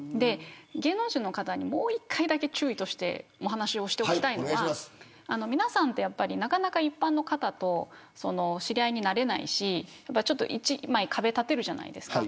芸能人の方に、もう１回だけ注意としてお話をしておきたいのは皆さんってなかなか一般の方と知り合いになれないし一枚、壁立てるじゃないですか。